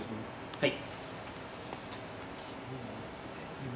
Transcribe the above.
はい。